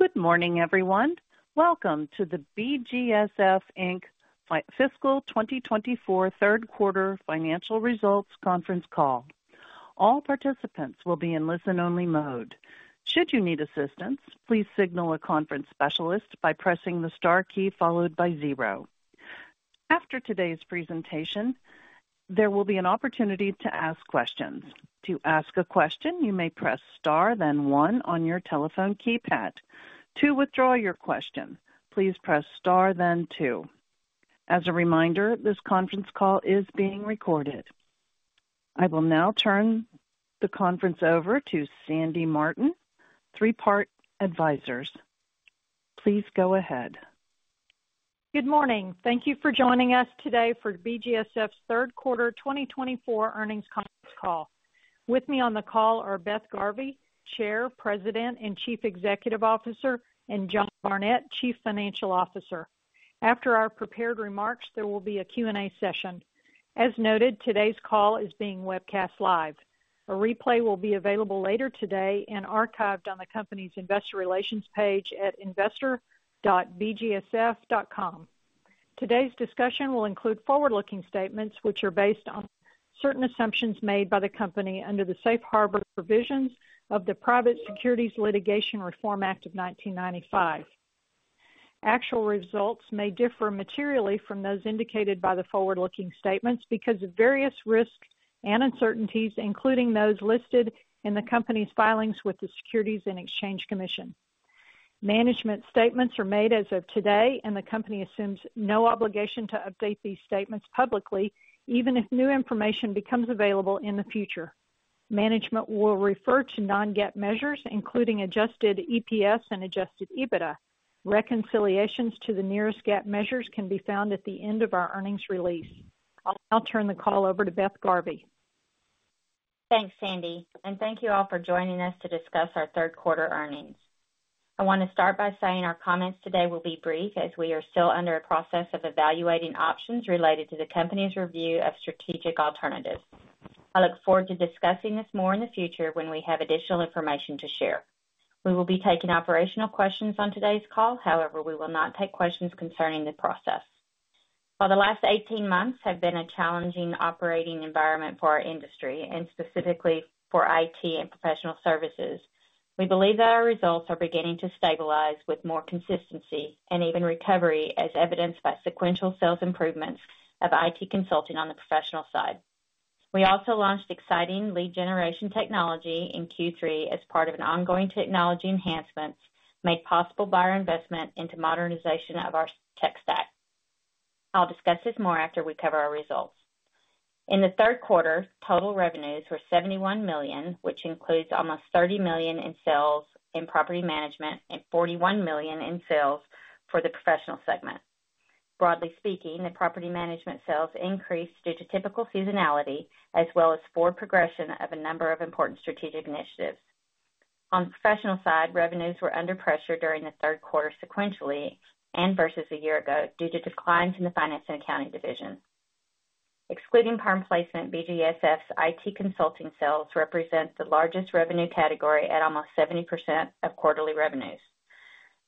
Good morning, everyone. Welcome to the BGSF Inc. Fiscal 2024 Third Quarter Financial Results Conference Call. All participants will be in listen-only mode. Should you need assistance, please signal a conference specialist by pressing the star key followed by zero. After today's presentation, there will be an opportunity to ask questions. To ask a question, you may press star, then one on your telephone keypad. To withdraw your question, please press star, then two. As a reminder, this conference call is being recorded. I will now turn the conference over to Sandy Martin, Three Part Advisors. Please go ahead. Good morning. Thank you for joining us today for BGSF's Third Quarter 2024 Earnings Conference Call. With me on the call are Beth Garvey, Chair, President, and Chief Executive Officer, and John Barnett, Chief Financial Officer. After our prepared remarks, there will be a Q&A session. As noted, today's call is being webcast live. A replay will be available later today and archived on the company's Investor Relations page at investor.bgsf.com. Today's discussion will include forward-looking statements, which are based on certain assumptions made by the company under the Safe Harbor provisions of the Private Securities Litigation Reform Act of 1995. Actual results may differ materially from those indicated by the forward-looking statements because of various risks and uncertainties, including those listed in the company's filings with the Securities and Exchange Commission. Management statements are made as of today, and the company assumes no obligation to update these statements publicly, even if new information becomes available in the future. Management will refer to non-GAAP measures, including Adjusted EPS and Adjusted EBITDA. Reconciliations to the nearest GAAP measures can be found at the end of our earnings release. I'll now turn the call over to Beth Garvey. Thanks, Sandy, and thank you all for joining us to discuss our third quarter earnings. I want to start by saying our comments today will be brief, as we are still under a process of evaluating options related to the company's review of strategic alternatives. I look forward to discussing this more in the future when we have additional information to share. We will be taking operational questions on today's call. However, we will not take questions concerning the process. While the last 18 months have been a challenging operating environment for our industry, and specifically for IT and professional services, we believe that our results are beginning to stabilize with more consistency and even recovery, as evidenced by sequential sales improvements of IT consulting on the professional side. We also launched exciting lead generation technology in Q3 as part of an ongoing technology enhancement made possible by our investment into modernization of our tech stack. I'll discuss this more after we cover our results. In the third quarter, total revenues were $71 million, which includes almost $30 million in sales in Property Management and $41 million in sales for the Professional segment. Broadly speaking, the Property Management sales increased due to typical seasonality, as well as forward progression of a number of important strategic initiatives. On the professional side, revenues were under pressure during the third quarter sequentially and versus a year ago due to declines in the Finance & Accounting division. Excluding permanent placement, BGSF's IT Consulting sales represent the largest revenue category at almost 70% of quarterly revenues.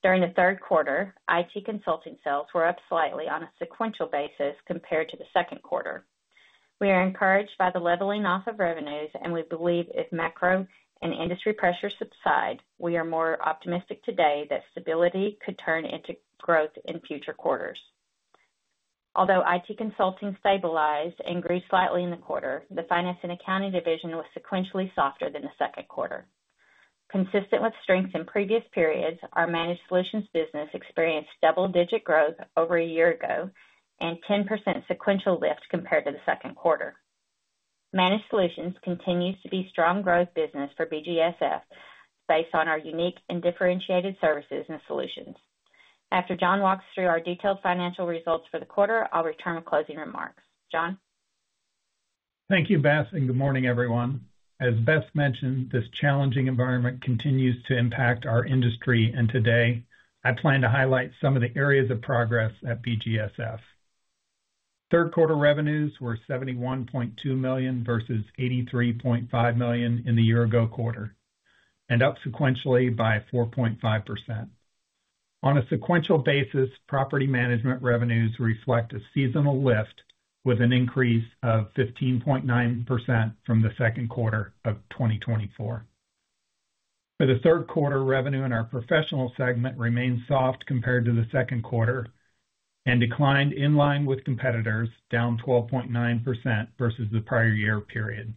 During the third quarter, IT Consulting sales were up slightly on a sequential basis compared to the second quarter. We are encouraged by the leveling off of revenues, and we believe if macro and industry pressures subside, we are more optimistic today that stability could turn into growth in future quarters. Although IT Consulting stabilized and grew slightly in the quarter, the Finance & Accounting division was sequentially softer than the second quarter. Consistent with strength in previous periods, our Managed Solutions business experienced double-digit growth over a year ago and 10% sequential lift compared to the second quarter. Managed Solutions continues to be a strong growth business for BGSF based on our unique and differentiated services and solutions. After John walks through our detailed financial results for the quarter, I'll return with closing remarks. John? Thank you, Beth, and good morning, everyone. As Beth mentioned, this challenging environment continues to impact our industry, and today I plan to highlight some of the areas of progress at BGSF. Third quarter revenues were $71.2 million versus $83.5 million in the year-ago quarter, and up sequentially by 4.5%. On a sequential basis, Property Management revenues reflect a seasonal lift with an increase of 15.9% from the second quarter of 2024. For the third quarter, revenue in our Professional segment remained soft compared to the second quarter and declined in line with competitors, down 12.9% versus the prior year period.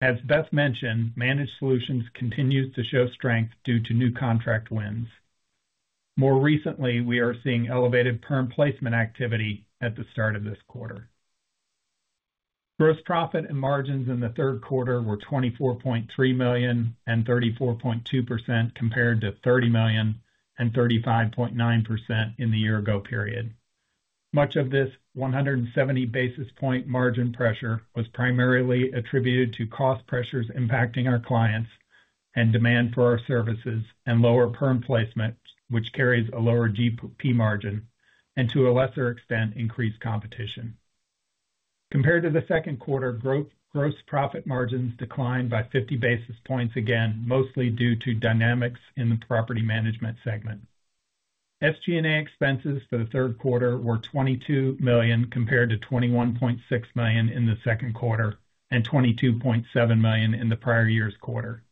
As Beth mentioned, Managed Solutions continue to show strength due to new contract wins. More recently, we are seeing elevated permanent placement activity at the start of this quarter. Gross profit and margins in the third quarter were $24.3 million and 34.2% compared to $30 million and 35.9% in the year-ago period. Much of this 170 basis point margin pressure was primarily attributed to cost pressures impacting our clients and demand for our services and lower permanent placement, which carries a lower GP margin, and to a lesser extent, increased competition. Compared to the second quarter, gross profit margins declined by 50 basis points again, mostly due to dynamics in the Property Management segment. SG&A expenses for the third quarter were $22 million compared to $21.6 million in the second quarter and $22.7 million in the prior year's quarter.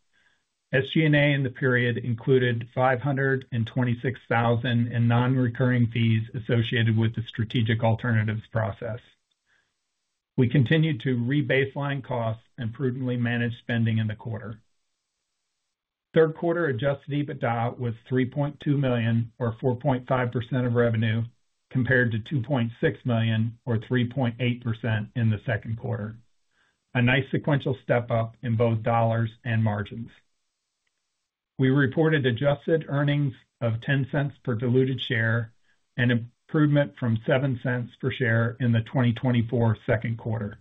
SG&A in the period included $526,000 in non-recurring fees associated with the strategic alternatives process. We continued to re-baseline costs and prudently manage spending in the quarter. Third quarter Adjusted EBITDA was $3.2 million, or 4.5% of revenue, compared to $2.6 million, or 3.8% in the second quarter. A nice sequential step up in both dollars and margins. We reported adjusted earnings of $0.10 per diluted share and improvement from $0.07 per share in the 2024 second quarter,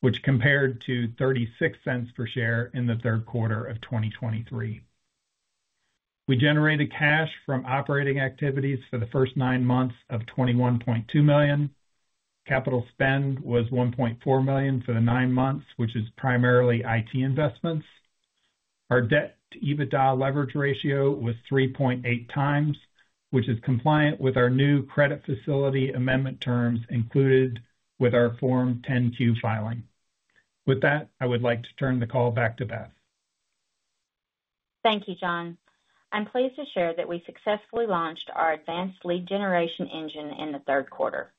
which compared to $0.36 per share in the third quarter of 2023. We generated cash from operating activities for the first nine months of $21.2 million. Capital spend was $1.4 million for the nine months, which is primarily IT investments. Our debt-to-EBITDA leverage ratio was 3.8 times, which is compliant with our new credit facility amendment terms included with our Form 10-Q filing. With that, I would like to turn the call back to Beth. Thank you, John. I'm pleased to share that we successfully launched our advanced lead generation engine in the third quarter.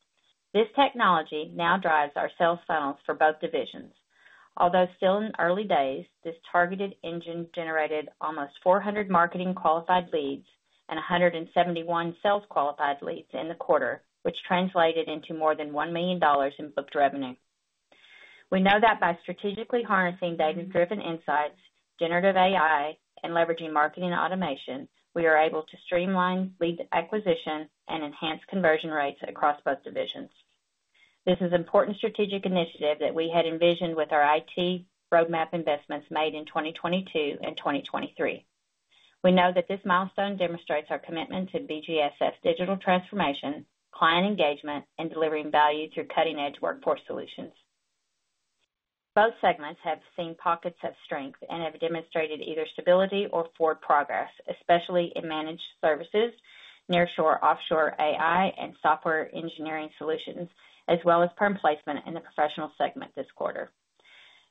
This technology now drives our sales funnels for both divisions. Although still in early days, this targeted engine generated almost 400 marketing qualified leads and 171 sales qualified leads in the quarter, which translated into more than $1 million in booked revenue. We know that by strategically harnessing data-driven insights, generative AI, and leveraging marketing automation, we are able to streamline lead acquisition and enhance conversion rates across both divisions. This is an important strategic initiative that we had envisioned with our IT roadmap investments made in 2022 and 2023. We know that this milestone demonstrates our commitment to BGSF's digital transformation, client engagement, and delivering value through cutting-edge workforce solutions. Both segments have seen pockets of strength and have demonstrated either stability or forward progress, especially in managed services, nearshore/offshore AI and software engineering solutions, as well as permanent placement in the Professional segment this quarter.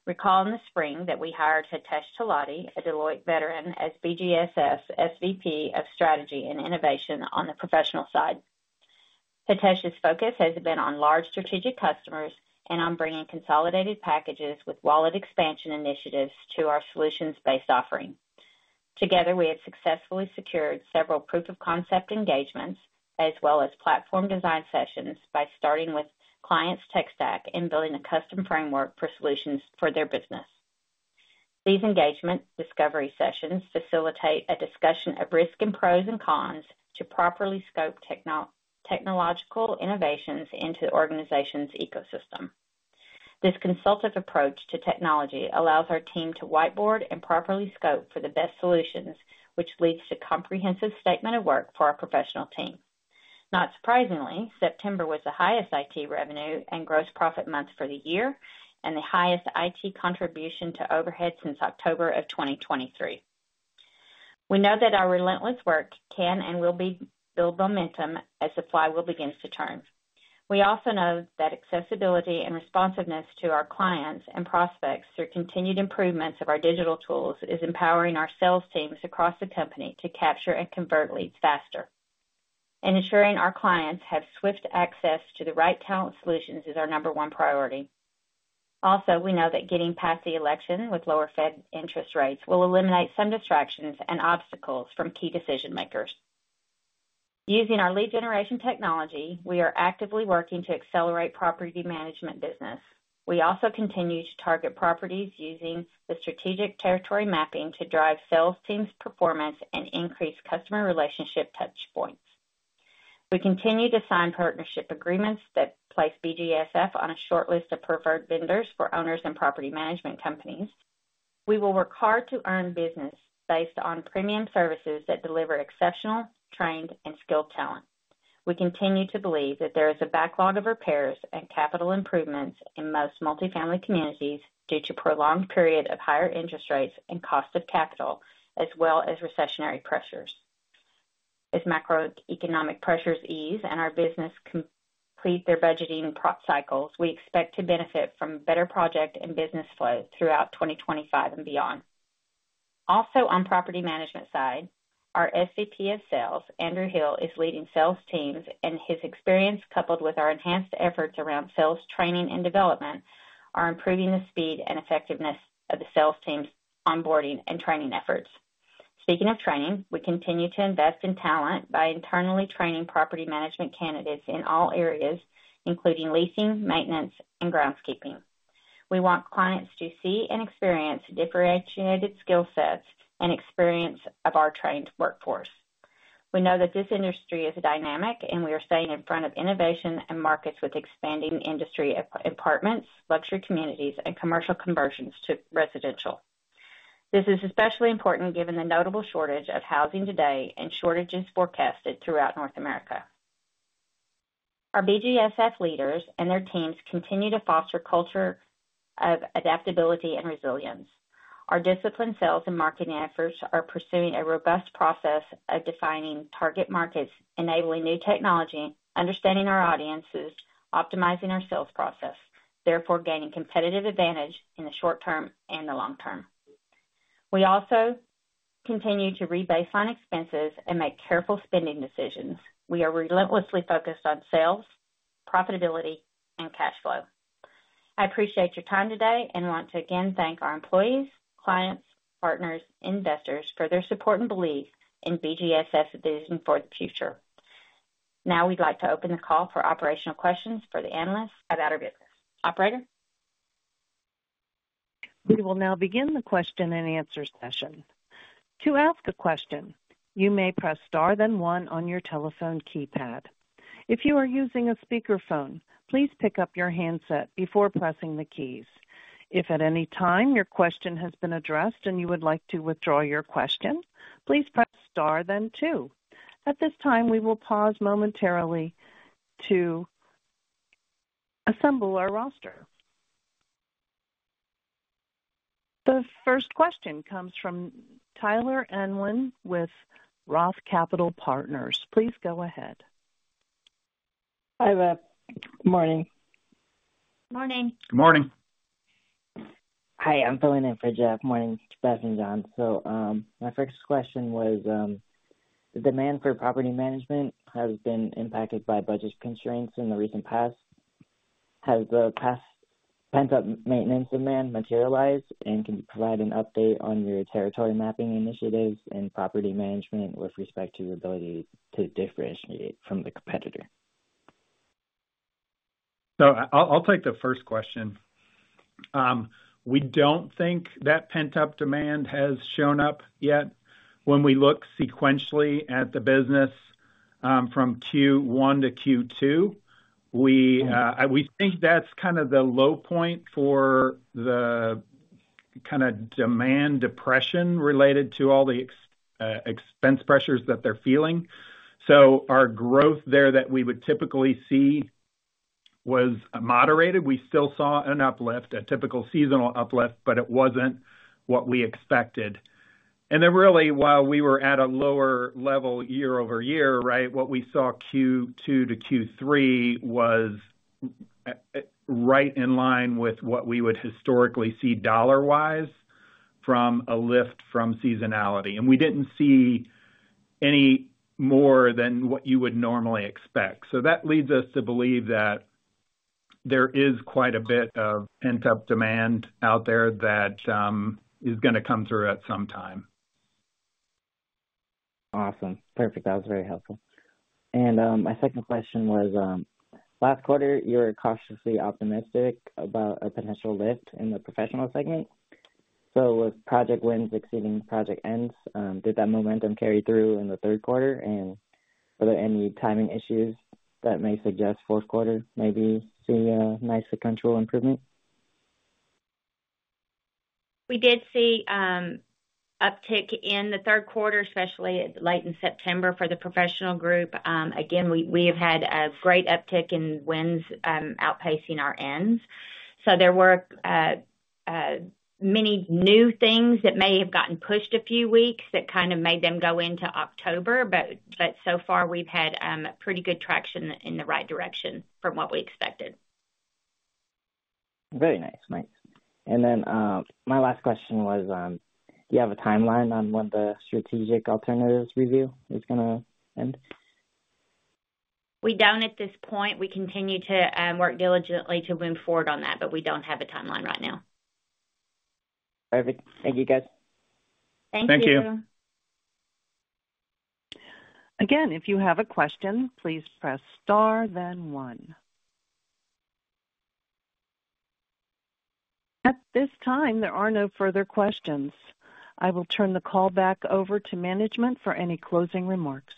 Recall in the spring that we hired Hitesh Talati, a Deloitte veteran, as BGSF's SVP of Strategy and Innovation on the professional side. Hitesh's focus has been on large strategic customers and on bringing consolidated packages with wallet expansion initiatives to our solutions-based offering. Together, we have successfully secured several proof-of-concept engagements, as well as platform design sessions, by starting with clients' tech stack and building a custom framework for solutions for their business. These engagement discovery sessions facilitate a discussion of risks and pros and cons to properly scope technological innovations into the organization's ecosystem. This consultative approach to technology allows our team to whiteboard and properly scope for the best solutions, which leads to a comprehensive statement of work for our professional team. Not surprisingly, September was the highest IT revenue and gross profit month for the year and the highest IT contribution to overhead since October of 2023. We know that our relentless work can and will build momentum as the flywheel begin to turn. We also know that accessibility and responsiveness to our clients and prospects through continued improvements of our digital tools is empowering our sales teams across the company to capture and convert leads faster. Ensuring our clients have swift access to the right talent solutions is our number one priority. Also, we know that getting past the election with lower Fed interest rates will eliminate some distractions and obstacles from key decision-makers. Using our lead generation technology, we are actively working to accelerate Property Management business. We also continue to target properties using the strategic territory mapping to drive sales teams' performance and increase customer relationship touchpoints. We continue to sign partnership agreements that place BGSF on a short list of preferred vendors for owners and Property Management companies. We will work hard to earn business based on premium services that deliver exceptional, trained, and skilled talent. We continue to believe that there is a backlog of repairs and capital improvements in most multifamily communities due to a prolonged period of higher interest rates and cost of capital, as well as recessionary pressures. As macroeconomic pressures ease and our business completes their budgeting cycles, we expect to benefit from better project and business flow throughout 2025 and beyond. Also, on the Property Management side, our SVP of Sales, Andrew Hill, is leading sales teams, and his experience, coupled with our enhanced efforts around sales training and development, are improving the speed and effectiveness of the sales team's onboarding and training efforts. Speaking of training, we continue to invest in talent by internally training Property Management candidates in all areas, including leasing, maintenance, and groundskeeping. We want clients to see and experience differentiated skill sets and experience of our trained workforce. We know that this industry is dynamic, and we are staying in front of innovation and markets with expanding industry apartments, luxury communities, and commercial conversions to residential. This is especially important given the notable shortage of housing today and shortages forecasted throughout North America. Our BGSF leaders and their teams continue to foster a culture of adaptability and resilience. Our disciplined sales and marketing efforts are pursuing a robust process of defining target markets, enabling new technology, understanding our audiences, optimizing our sales process, therefore gaining competitive advantage in the short term and the long term. We also continue to re-baseline expenses and make careful spending decisions. We are relentlessly focused on sales, profitability, and cash flow. I appreciate your time today and want to again thank our employees, clients, partners, and investors for their support and belief in BGSF's vision for the future. Now we'd like to open the call for operational questions for the analysts about our business. Operator. We will now begin the question and answer session. To ask a question, you may press star then one on your telephone keypad. If you are using a speakerphone, please pick up your handset before pressing the keys. If at any time your question has been addressed and you would like to withdraw your question, please press star then two. At this time, we will pause momentarily to assemble our roster. The first question comes from Tyler Erwin with Roth Capital Partners. Please go ahead. Hi, Beth. Good morning. Good morning. Good morning. Hi. I'm filling in for Jeff. Morning, Beth and John. So my first question was, the demand for Property Management has been impacted by budget constraints in the recent past. Has the past pent-up maintenance demand materialized, and can you provide an update on your territory mapping initiatives and Property Management with respect to the ability to differentiate from the competitor? So I'll take the first question. We don't think that pent-up demand has shown up yet. When we look sequentially at the business from Q1 to Q2, we think that's kind of the low point for the kind of demand depression related to all the expense pressures that they're feeling. So our growth there that we would typically see was moderated. We still saw an uplift, a typical seasonal uplift, but it wasn't what we expected. And then really, while we were at a lower level year-over-year, right, what we saw Q2 to Q3 was right in line with what we would historically see dollar-wise from a lift from seasonality. And we didn't see any more than what you would normally expect. So that leads us to believe that there is quite a bit of pent-up demand out there that is going to come through at some time. Awesome. Perfect. That was very helpful. And my second question was, last quarter, you were cautiously optimistic about a potential lift in the Professional segment. So with project wins exceeding project ends, did that momentum carry through in the third quarter? And were there any timing issues that may suggest fourth quarter maybe seeing a nice sequential improvement? We did see uptick in the third quarter, especially late in September for the professional group. Again, we have had a great uptick in wins outpacing our ends, so there were many new things that may have gotten pushed a few weeks that kind of made them go into October, but so far, we've had pretty good traction in the right direction from what we expected. Very nice. Nice. And then my last question was, do you have a timeline on when the strategic alternatives review is going to end? We don't at this point. We continue to work diligently to move forward on that, but we don't have a timeline right now. Perfect. Thank you, guys. Thank you. Thank you. Again, if you have a question, please press star then one. At this time, there are no further questions. I will turn the call back over to management for any closing remarks.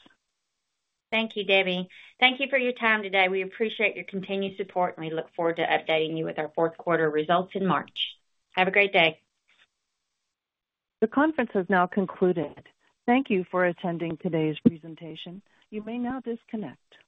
Thank you, Debbie. Thank you for your time today. We appreciate your continued support, and we look forward to updating you with our fourth quarter results in March. Have a great day. The conference has now concluded. Thank you for attending today's presentation. You may now disconnect.